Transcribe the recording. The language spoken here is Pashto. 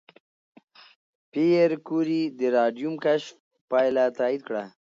پېیر کوري د راډیوم کشف پایله تایید کړه.